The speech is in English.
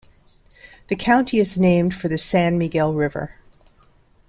The county is named for the San Miguel River.